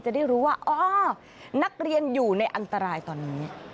จะได้รู้ว่าอ๋อนักเรียนอยู่ในอันตรายตอนนี้